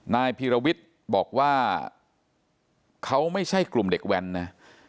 นายพีรวิทย์บอกว่าเขาไม่ใช่กลุ่มเด็กแว้นนะ